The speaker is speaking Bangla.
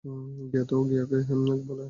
জ্ঞাতা ও জ্ঞেয়কে এক বলে জেন।